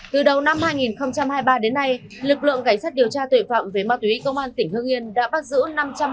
từ đầu năm hai nghìn hai mươi ba đến nay lực lượng cảnh sát điều tra tội phạm